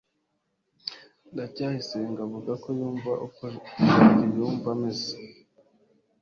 ndacyayisenga avuga ko yumva uko jaki yumva ameze